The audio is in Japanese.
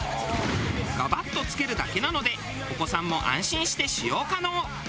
ガバッと着けるだけなのでお子さんも安心して使用可能。